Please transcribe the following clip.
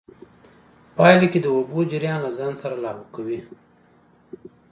پايله کې د اوبو جريان له ځان سره لاهو کوي.